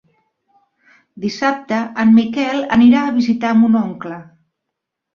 Dissabte en Miquel anirà a visitar mon oncle.